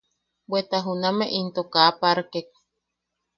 Bweta junameʼe into kaa parkek.